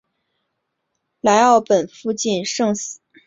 莱奥本附近圣斯特凡是奥地利施蒂利亚州莱奥本县的一个市镇。